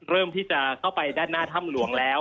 เริ่มที่จะเข้าไปด้านหน้าถ้ำหลวงแล้ว